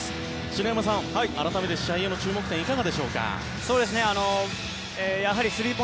篠山さん、改めて試合への注目点はいかがでしょうか。